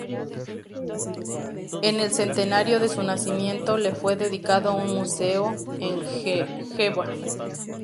En el centenario de su nacimiento le fue dedicado un museo en Jõgeva.